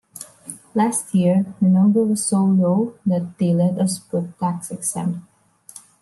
Last year the number was so low that they let us put tax exempt